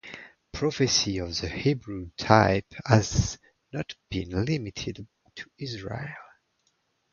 Prophecy of the Hebrew type has not been limited to Israel.